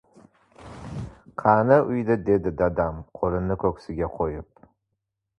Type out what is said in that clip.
— Qani uyga, — dedi dadam qo‘lini ko‘ksiga qo‘yib.